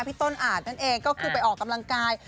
พี่ต้นอาจนั่นเองก็คือไปออกกำลังกาย